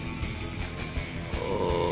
うん。